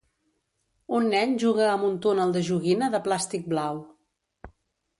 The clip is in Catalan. Un nen juga amb un túnel de joguina de plàstic blau.